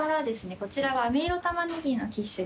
こちらがあめ色タマネギのキッシュになります。